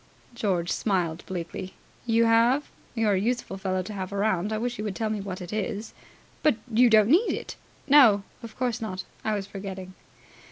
George smiled bleakly. "You have? You're a useful fellow to have around. I wish you would tell me what it is." "But you don't need it." "No, of course not. I was forgetting."